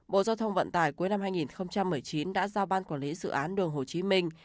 bộ giao thông vận tải cuối năm hai nghìn một mươi chín đã giao ban quản lý dự án đường hồ chí minh